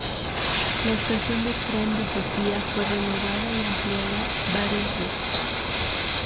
La estación de tren de Sofía fue renovada y ampliada varias veces.